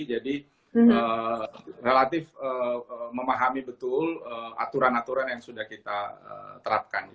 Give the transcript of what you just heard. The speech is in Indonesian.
jadi relatif memahami betul aturan aturan yang sudah kita terapkan